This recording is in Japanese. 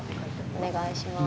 お願いします。